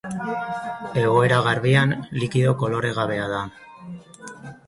Egoera garbian, likido koloregabea da.